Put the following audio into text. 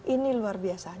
ini luar biasa